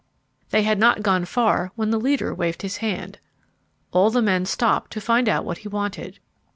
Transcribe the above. They had not gone far when the leader waved his hand. All the men stopped to find out what he wanted.